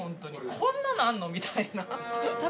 こんなのあんの⁉みたいな。